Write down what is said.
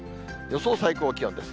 予想最高気温です。